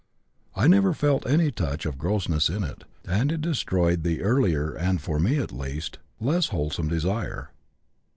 I never felt any touch of grossness in it, and it destroyed the earlier and (for me at least) less wholesome desire.